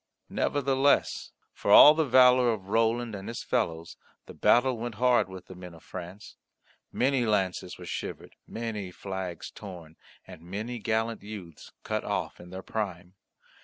Nevertheless, for all the valour of Roland and his fellows the battle went hard with the men of France. Many lances were shivered, many flags torn, and many gallant youths cut off in their prime.